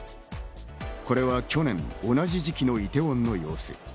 これは去年、同じ時期のイテウォンの様子。